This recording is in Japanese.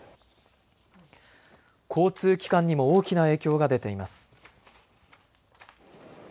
交通機関にも大きな影響が出ています。